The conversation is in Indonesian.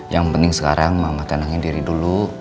yang penting sekarang mama tenangin diri dulu